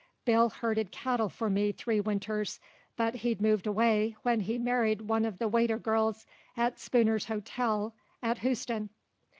Bill herded cattle for me three winters, but hed moved away when he married one uv the waiter girls at Spooner's Hotel at Hoost'n.